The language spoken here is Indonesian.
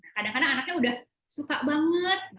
kadang kadang anaknya udah suka banget